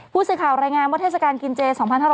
ผู้สื่อข่าวรายงานว่าเทศกาลกินเจ๒๕๖๒